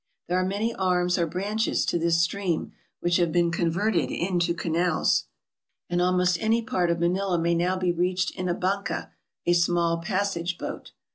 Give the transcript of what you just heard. There are many arms or branches to this stream, which have been converted into canals ; and almost any part of Manila may now be reached in a banca, a small passage boat.